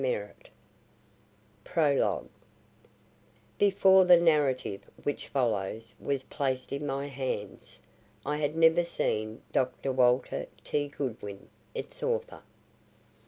Merritt PROLOGUE Before the narrative which follows was placed in my hands, I had never seen Dr. Walter T. Goodwin, its author.